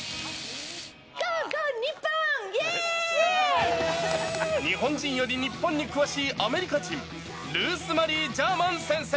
ゴー、ゴー、ニッポン、日本人より日本に詳しいアメリカ人、ルース・マリー・ジャーマン先生。